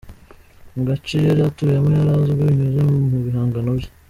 Mu gace yari atuyemo yari azwi binyuze mu bihangano bye.